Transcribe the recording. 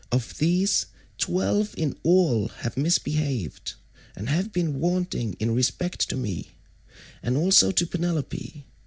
Of these, twelve in all177 have misbehaved, and have been wanting in respect to me, and also to Penelope.